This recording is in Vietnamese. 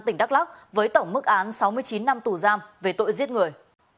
tỉnh đắk lắc với tổng mức án sáu mươi chín năm tù giam về tội giết người